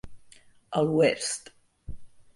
A l'oest.